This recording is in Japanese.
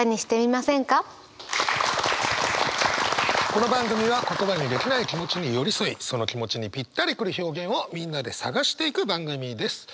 この番組は言葉にできない気持ちに寄り添いその気持ちにぴったり来る表現をみんなで探していく番組です。